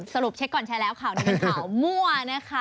เช็คก่อนแชร์แล้วข่าวนี้เป็นข่าวมั่วนะคะ